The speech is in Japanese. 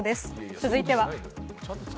続いては。